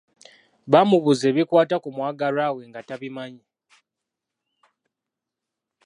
Baamubuuza ebikwata ku mwagalwa we nga tabimanyi.